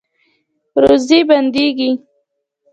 روزي بندیږي؟